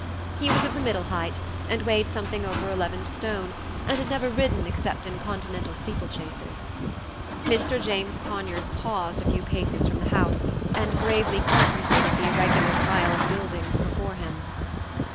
He was of the middle height, and weighed something over eleven stone, and had never ridden except in Continental steeple chases. Mr. James Conyers paused a few paces from the house, and gravely contemplated the irregular pile of buildings before him.